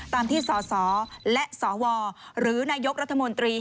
ตามที่สสและสวหรือนายกรัฐมนตรี